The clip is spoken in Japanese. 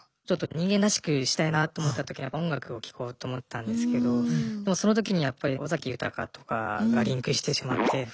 ちょっと人間らしくしたいなと思った時に音楽を聴こうと思ったんですけどその時にやっぱり尾崎豊とかがリンクしてしまって。